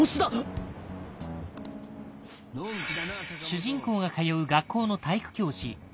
主人公が通う学校の体育教師鴨志田。